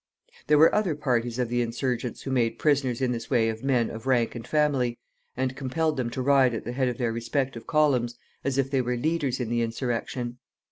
There were other parties of the insurgents who made prisoners in this way of men of rank and family, and compelled them to ride at the head of their respective columns, as if they were leaders in the insurrection.